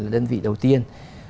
đơn vị đầu tiên